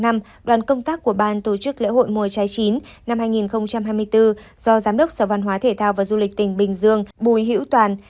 đoàn công tác của ban tổ chức lễ hội mùa trái chín năm hai nghìn hai mươi bốn do giám đốc sở văn hóa thể thao và du lịch tỉnh bình dương bùi hữu toàn